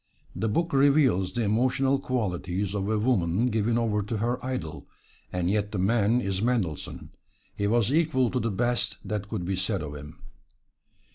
The book reveals the emotional qualities of a woman given over to her idol, and yet the man is Mendelssohn he was equal to the best that could be said of him.